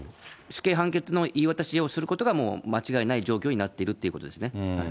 死刑判決の言い渡しをすることがもう、間違いない状況になっているということですね。